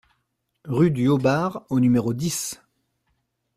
Rue du Haut-Barr au numéro dix